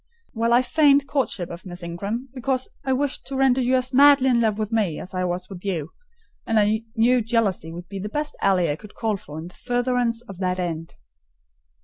"Well, I feigned courtship of Miss Ingram, because I wished to render you as madly in love with me as I was with you; and I knew jealousy would be the best ally I could call in for the furtherance of that end."